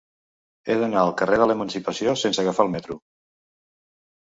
He d'anar al carrer de l'Emancipació sense agafar el metro.